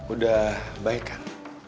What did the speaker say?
udah baik kan